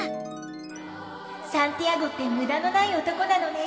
サンティアゴって無駄のない男なのね。